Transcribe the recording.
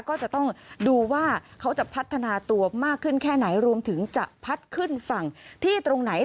ก็จะต้องดูว่าเขาจะพัฒนาตัวมากขึ้นแค่ไหนรวมถึงจะพัดขึ้นฝั่งที่ตรงไหน